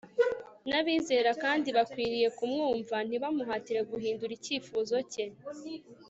n'abizera kandi bakwiriye kumwumva, ntibamuhatire guhindura icyifuzo cye